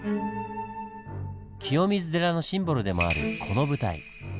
清水寺のシンボルでもあるこの舞台。